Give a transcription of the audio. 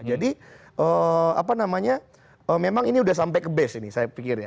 jadi apa namanya memang ini sudah sampai ke base ini saya pikir ya